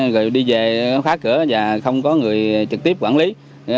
rồi đi về khóa cửa và không có người trực tiếp quản lý